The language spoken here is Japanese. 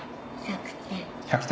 １００点。